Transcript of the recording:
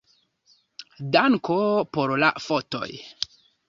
Danko por la fotoj.